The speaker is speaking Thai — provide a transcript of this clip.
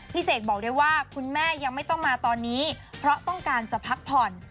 เสกบอกได้ว่าคุณแม่ยังไม่ต้องมาตอนนี้เพราะต้องการจะพักผ่อน